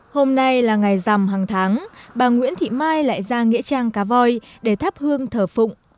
hôm nay là ngày rằm hàng tháng bà nguyễn thị mai lại ra nghĩa trang cá voi để thắp hương thờ phụng